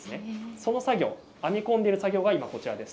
その編み込んでいる作業が今こちらです。